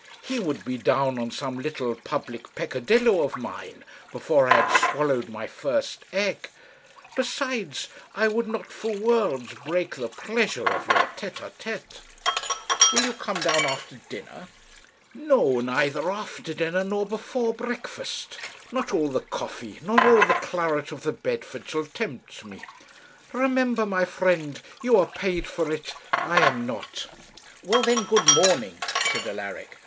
He would be down on some little public peccadillo of mine before I had swallowed my first egg. Besides, I would not for worlds break the pleasure of your tête à tête.' 'Will you come down after dinner?' 'No; neither after dinner, nor before breakfast; not all the coffee, nor all the claret of the Bedford shall tempt me. Remember, my friend, you are paid for it; I am not.' 'Well, then, good morning,' said Alaric.